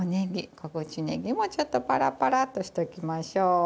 小口ねぎでもちょっとパラパラッとしておきましょう。